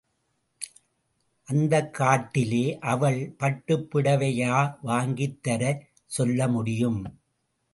அந்தக் காட்டிலே அவள் பட்டுப் புடவையையா வாங்கித்தரச் சொல்ல முடியும்.